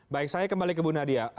baik saya kembali ke bu nadia